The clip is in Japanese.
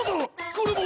これも！